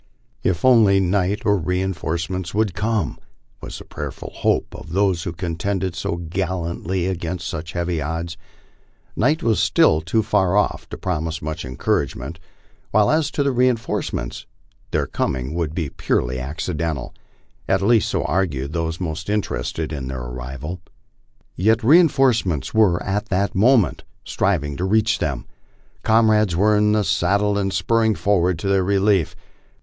If only night or reinforcements would come ! was the prayerful hope of those who contended so gallantly against such heavy odds. Night was still too far off to promise much encouragement; while as to reinforcements, their com ing would be purely accidental at least so argued those most interested in their arrival. Yet reinforcements were at that moment striving to reach them. Comrades were in the saddle and spurring forward to their relief.